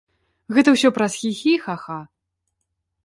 Гэта ўсё праз хі-хі, ха-ха.